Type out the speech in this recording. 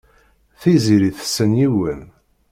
Tiziri tessen yiwen.